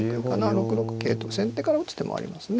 ６六桂と先手から打つ手もありますね。